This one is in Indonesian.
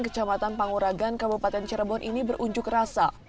kecamatan panguragan kabupaten cirebon ini berunjuk rasa